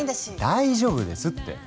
大丈夫ですって。